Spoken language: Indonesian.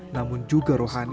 namun juga rohani